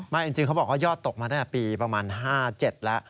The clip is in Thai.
จริงเขาบอกว่ายอดตกมาตั้งแต่ปีประมาณ๕๗แล้ว